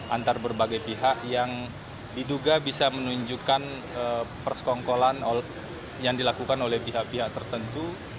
antar berbagai pihak yang diduga bisa menunjukkan persekongkolan yang dilakukan oleh pihak pihak tertentu